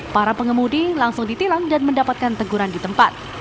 para pengemudi langsung ditilang dan mendapatkan teguran di tempat